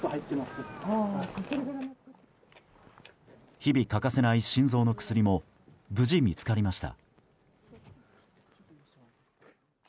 日々欠かせない心臓の薬も無事、見つかりました。